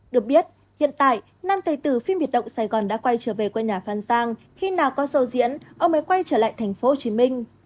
được biết hiện tại năm tài tử phim biệt động sài gòn đã quay trở về quê nhà phan sang khi nào có sổ diễn ông mới quay trở lại tp hcm